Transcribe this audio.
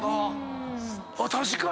確かに。